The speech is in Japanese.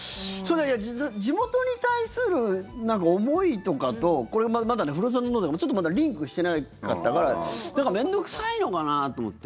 地元に対する思いとかとふるさと納税がまだリンクしてなかったからだから面倒臭いのかなと思って。